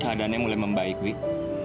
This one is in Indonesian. keadaannya mulai membaik wih